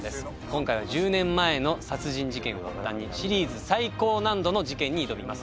今回は１０年前の殺人事件を発端にシリーズ最高難度の事件に挑みます。